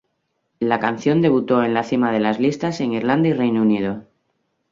La canción debutó en la cima de las listas en Irlanda y Reino Unido.